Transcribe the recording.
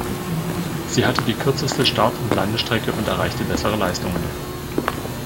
Sie hatte die kürzeste Start- und Landestrecke und erreichte bessere Leistungen.